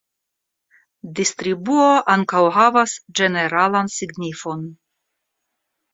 Distribuo ankaŭ havas ĝeneralan signifon.